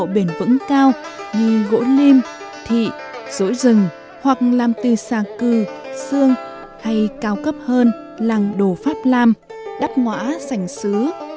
có độ bền vững cao như gỗ liêm thị rỗi rừng hoặc làm từ xà cừ xương hay cao cấp hơn làng đồ pháp lam đắp ngõa sành xứ